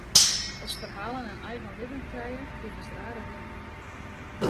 As ferhalen in eigen libben krije, krigest rare dingen.